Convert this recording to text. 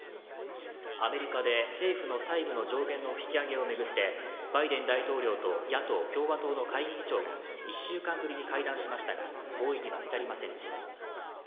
アメリカで政府の債務の上限の引き上げを巡ってバイデン大統領と野党・共和党の下院議長が１週間ぶりに会談しましたが合意には至りませんでした。